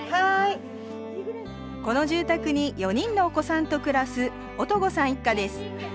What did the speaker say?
この住宅に４人のお子さんと暮らす乙子さん一家です